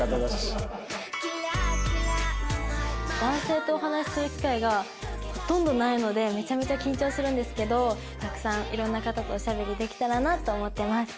男性とお話しする機会がほとんどないのでめちゃめちゃ緊張するんですけどたくさん色んな方とおしゃべりできたらなと思ってます。